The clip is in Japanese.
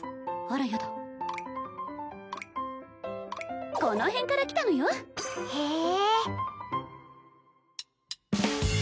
あらやだこの辺から来たのよへえ